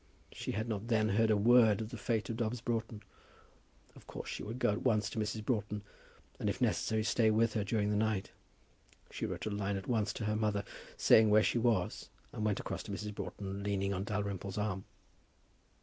She had not then heard a word of the fate of Dobbs Broughton. Of course she would go at once to Mrs. Broughton, and if necessary stay with her during the night. She wrote a line at once to her mother, saying where she was, and went across to Mrs. Broughton leaning on Dalrymple's arm.